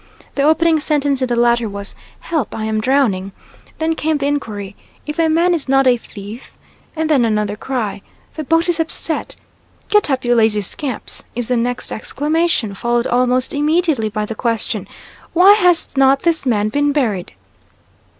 The opening sentence in the latter was, "Help, I am drowning." Then came the inquiry, "If a man is not a thief?" and then another cry, "The boat is upset." "Get up, you lazy scamps," is the next exclamation, followed almost immediately by the question, "Why has not this man been buried?"